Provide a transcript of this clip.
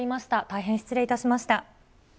大変失礼いたしました。